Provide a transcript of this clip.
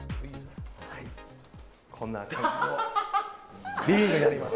こんな感じのリビングになります。